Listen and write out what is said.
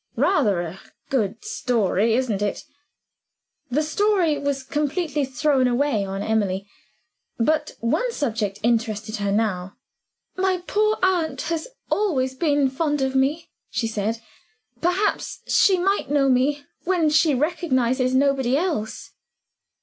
Rather a good story, isn't it?" The story was completely thrown away on Emily; but one subject interested her now. "My poor aunt has always been fond of me," she said. "Perhaps she might know me, when she recognizes nobody else."